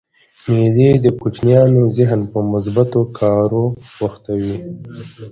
مېلې د کوچنيانو ذهن په مثبتو کارو بوختوي.